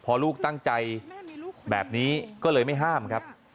พอลูกตั้งใจแบบนี้ก็เลยไม่ห้ามครับ